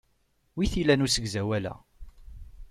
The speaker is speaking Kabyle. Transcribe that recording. Wi t-ilan usegzawal-a?